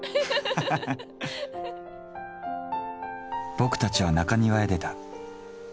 ボクたちは中庭へ出た。